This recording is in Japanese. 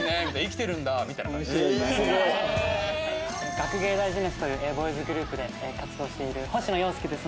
学芸大青春というボーイズグループで活動している星野陽介です。